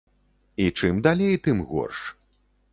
І чым далей, тым горш.